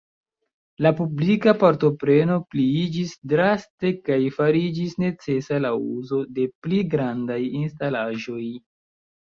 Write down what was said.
La publika partopreno pliiĝis draste kaj fariĝis necesa la uzo de pli grandaj instalaĵoj.